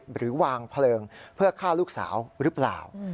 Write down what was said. หรือวางเพลิงเพื่อฆ่าลูกสาวหรือเปล่า